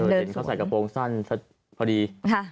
เห็นเขาใส่กระโปรงสั้นพอดี